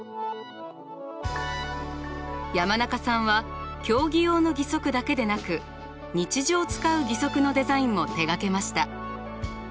山中さんは競技用の義足だけでなく日常使う義足のデザインも手がけました。